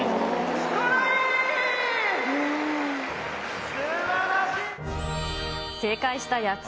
すばらしい。